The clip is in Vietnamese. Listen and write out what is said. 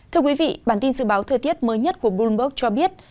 thưa quý vị bản tin dự báo thời tiết mới nhất của bloomberg cho biết